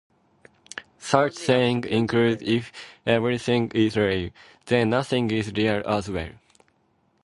Such sayings include: If everything is real... then nothing is real as well.